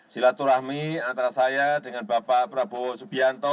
silaturahmi antara saya dengan bapak prabowo subianto